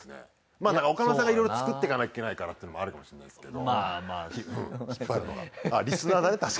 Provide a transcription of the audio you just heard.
まぁだから岡村さんがいろいろ作ってかなきゃいけないからっていうのもあるかもしれないんですけど。